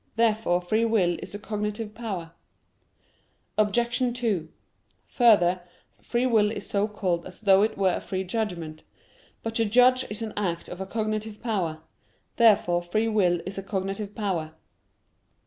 Therefore free will is a cognitive power. Obj. 2: Further, free will is so called as though it were a free judgment. But to judge is an act of a cognitive power. Therefore free will is a cognitive power.